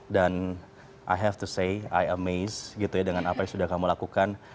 dan i have to say i amaze dengan apa yang sudah kamu lakukan